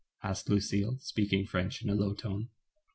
asked Lucille, speaking French in a low tone.